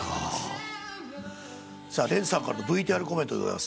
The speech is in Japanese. れんさんからＶＴＲコメントでございます。